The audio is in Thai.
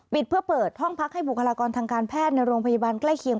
เพื่อเปิดห้องพักให้บุคลากรทางการแพทย์ในโรงพยาบาลใกล้เคียง